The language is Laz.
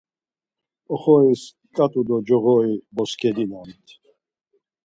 Oxoris ǩat̆u do coğori boskedinamt.